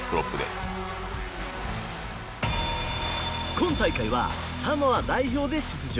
今大会はサモア代表で出場。